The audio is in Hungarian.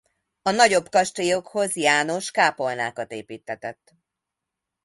A nagyobb kastélyokhoz János kápolnákat építtetett.